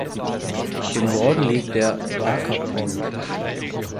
Im Norden liegt der "Barker Pond".